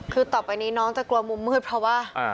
คือต่อไปนี้น้องจะกลัวมุมมืดเพราะว่า